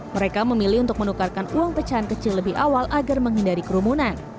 mereka memilih untuk menukarkan uang pecahan kecil lebih awal agar menghindari kerumunan